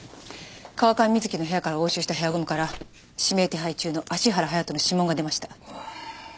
川上美月の部屋から押収したヘアゴムから指名手配中の芦原隼人の指紋が出ました。